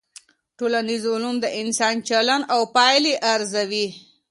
ټولنيز علوم د انسان چلند او پايلي ارزوي.